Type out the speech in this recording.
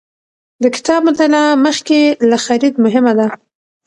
د کتاب مطالعه مخکې له خرید مهمه ده.